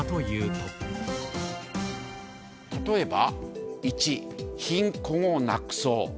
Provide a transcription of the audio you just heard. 例えば１、貧困をなくそう。